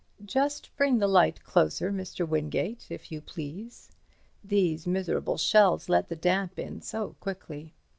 Just bring the light closer, Mr. Wingate, if you please. These miserable shells let the damp in so quickly.